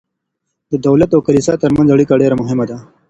د دولت او کلیسا ترمنځ اړیکه ډیره مهمه ده.